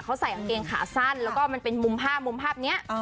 เขาใส่กางเกงขาสั้นแล้วก็มันเป็นมุมภาพมุมภาพนี้